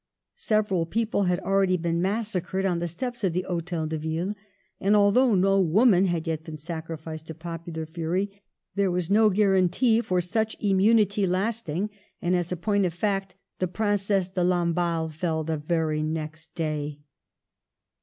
Sev eral people had already been massacred on the steps of the Hdtel de Ville; and although no woman had yet been sacrificed to popular fury, there was no guarantee for such immunity last ing ; and, as a point of fact, the Princess de Lam balle fell the very next day.